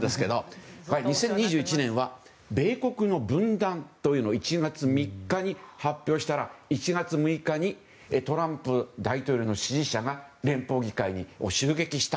２０２１年では米国の分断というのを１月３日に発表したら、１月６日にトランプ大統領の支持者が連邦議会に襲撃をした。